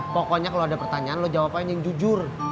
pokoknya kalo ada pertanyaan lo jawab aja yang jujur